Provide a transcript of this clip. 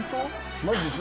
マジです。